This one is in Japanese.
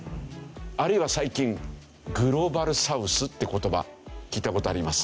あるいは最近グローバルサウスって言葉聞いた事あります？